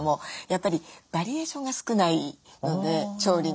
やっぱりバリエーションが少ないので調理の。